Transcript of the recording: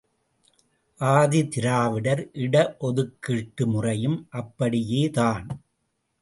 ஆதி திராவிடர் இட ஒதுக்கீட்டு முறையும் அப்படியேதான்.